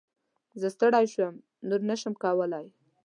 زه ستړی شوم ، نور نه شم کولی !